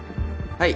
はい。